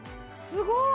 すごい！